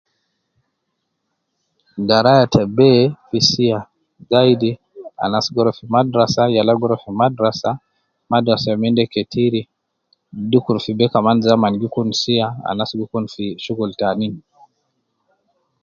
Garaya ta be fi siya. zaidi anas gi ruwa fi madrasa ,yala gi ruwa fi madrasa , madrasa youminde ketiri dukur fi be Kaman zaman gi kun siya ,anas gi kun fi shugul taanin.